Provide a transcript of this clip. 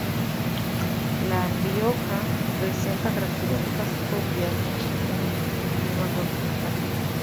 La Rioja presenta características propias de un clima continental.